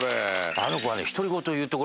あの子はね。